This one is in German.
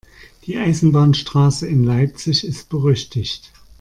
Die Eisenbahnstraße in Leipzig ist berüchtigt.